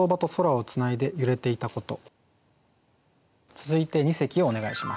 続いて二席をお願いします。